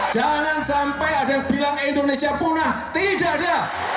jangan sampai ada yang bilang indonesia punah tidak ada